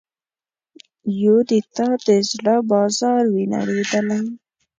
یو د تا د زړه بازار وي نړیدلی